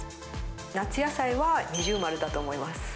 夏野菜は二重丸だと思います。